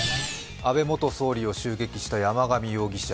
安倍元総理を襲撃した山上容疑者。